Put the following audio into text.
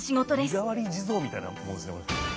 身代わり地蔵みたいなもんですねこれ。